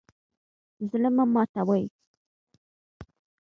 زړه مه ماتوئ